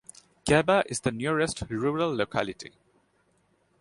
Geba is the nearest rural locality.